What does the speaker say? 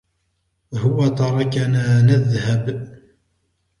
هو تركنا نذهب.